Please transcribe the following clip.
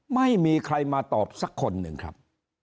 ไม่มีใครมาตอบสักคนหนึ่งครับ